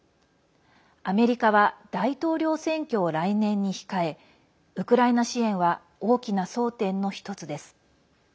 アメリカは大統領選挙を来年に控えウクライナ支援は大きな争点の１つです。